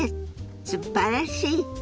すばらしい！